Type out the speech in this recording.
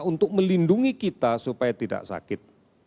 untuk melindungi kita supaya tidak sakit